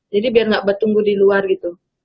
jadi biar gak bertunggu di luar gitu